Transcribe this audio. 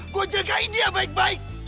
gue jagain dia baik baik